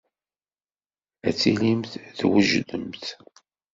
Ad tilimt twejdemt.